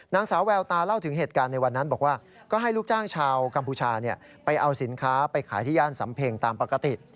นางสาวแววตาเล่าถึงเหตุการณ์ในวันนั้นบอกว่าก็ให้ลูกจ้างชาวกัมพูชาไปเอาสินค้าไปขายที่ย่านสำเพ็งตามปกติ